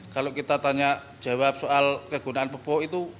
kalau kita tanya jawab soal kegunaan pupuk itu